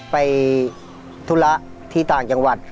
ธุระที่ต่างจังหวัด